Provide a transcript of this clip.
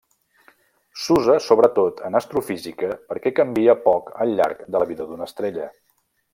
S'usa, sobretot, en astrofísica perquè canvia poc al llarg de la vida d'una estrella.